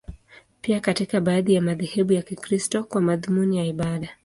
Pia katika baadhi ya madhehebu ya Kikristo, kwa madhumuni ya ibada.